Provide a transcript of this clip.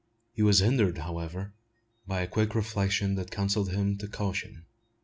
He was hindered, however, by a quick reflection that counselled him to caution.